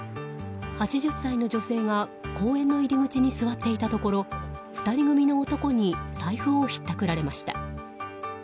８０歳の女性が公園の入り口に座っていたところ２人組の男に財布をひったくられました。